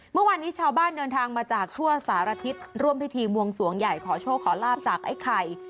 เมื่อวานนี้ชาวบ้านเดินทางมาจากทั่วสารทิศร่วมพิธีบวงสวงใหญ่ขอโชคขอลาบจากไอ้ไข่